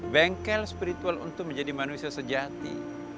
bengkel spiritual untuk menjadi manusia sejati